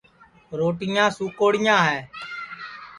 روٹِیاں سُوکوڑیاں ہے